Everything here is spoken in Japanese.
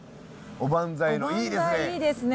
おばんざいいいですね！